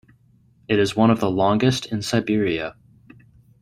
It is one of the longest in Siberia.